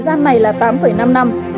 năm này là tám năm năm